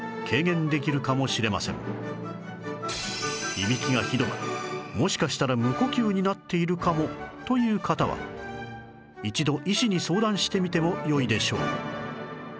いびきがひどくもしかしたら無呼吸になっているかもという方は一度医師に相談してみてもよいでしょう